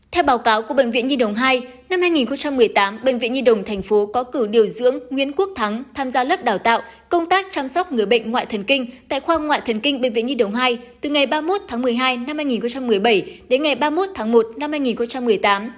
theo báo cáo của bệnh viện nhi đồng hai năm hai nghìn một mươi tám bệnh viện nhi đồng tp hcm có cử điều dưỡng nguyễn quốc thắng tham gia lớp đào tạo công tác chăm sóc người bệnh ngoại thần kinh tại khoa ngoại thần kinh bệnh viện nhi đồng hai từ ngày ba mươi một tháng một mươi hai năm hai nghìn một mươi bảy đến ngày ba mươi một tháng một năm hai nghìn một mươi tám